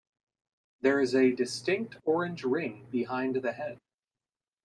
There is a distinct orange ring behind the head.